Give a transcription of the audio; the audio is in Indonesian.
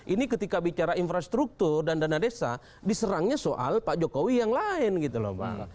ini ketika bicara infrastruktur dan dana desa diserangnya soal pak jokowi yang lain gitu loh pak